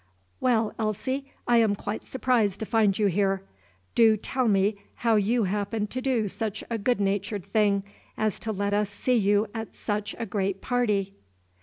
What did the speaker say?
"Well, Elsie, I am quite surprised to find you here. Do tell me how you happened to do such a good natured thing as to let us see you at such a great party."